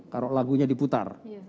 kalau lagunya diputar